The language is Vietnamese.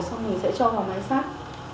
sau đó mình sẽ cho vào máy sát